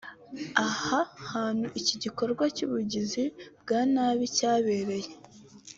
Aha hantu iki gikorwa cy’ubugizi bwa nabi cyabereye